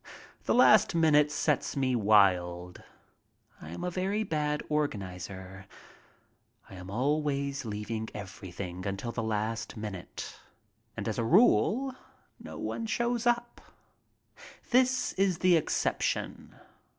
The last minute sets me wild. I am a very bad organizer. I am always leaving everything until the last minute, and as a rule no one shows up. OFF TO EUROPE 19 This was the exception.